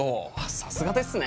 さすがですね。